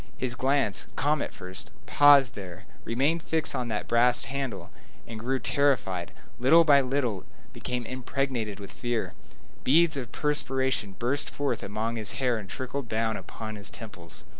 His glance, calm at first, paused there, remained fixed on that brass handle, then grew terrified, and little by little became impregnated with fear. Beads of perspiration burst forth among his hair and trickled down upon his temples.